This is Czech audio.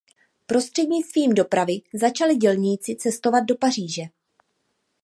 Prostřednictvím dopravy začali dělníci cestovat do Paříže.